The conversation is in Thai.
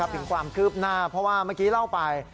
ถึงความคืบหน้าเพราะว่าเมื่อกี้เล่าไป